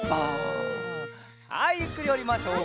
はいゆっくりおりましょう。